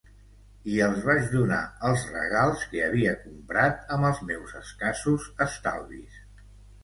I els vaig donar els regals que havia comprat amb els meus escassos estalvis.